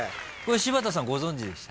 柴田さんご存じでした？